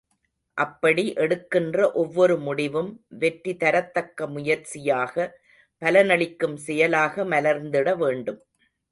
அப்படி எடுக்கின்ற ஒவ்வொரு முடிவும், வெற்றி தரத்தக்க முயற்சியாக, பலனளிக்கும் செயலாக மலர்ந்திட வேண்டும்.